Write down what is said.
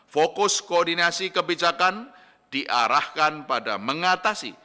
fokus koordinasi kebijakan diarahkan pada mengatasi